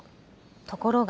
ところが。